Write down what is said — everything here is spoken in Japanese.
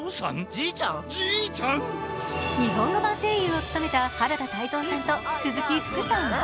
日本語版声優を務めた原田泰造さんと鈴木福さんは